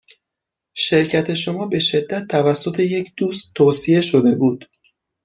شرکت شما به شدت توسط یک دوست توصیه شده بود.